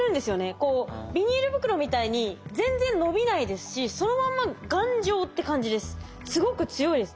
こうビニール袋みたいに全然伸びないですしそのまんますごく強いです。